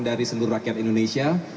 dari seluruh rakyat indonesia